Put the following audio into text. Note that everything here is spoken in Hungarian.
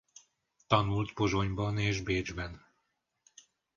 Tanult Pozsonyban és Bécsben.